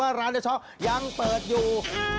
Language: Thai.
ร้านเดชช็อกยังเปิดอยู่